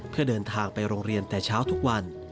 เพื่อเดินทางไปโรงเรียนแต่เช้าทุกวัน